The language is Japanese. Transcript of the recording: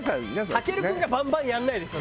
武尊君がバンバンやんないでしょ。